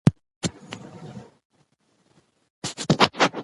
استعاره يو چې خپلواک حيثيت نه لري.